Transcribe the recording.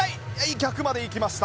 逆までいきました。